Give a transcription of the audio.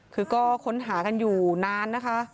คือก็ค้นหากันอยู่นานนะคะ